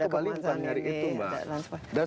ada kebangsaan ini orang yang ke bali bukan